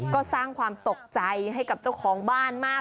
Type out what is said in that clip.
ก็สร้างความตกใจให้กับเจ้าของบ้านมาก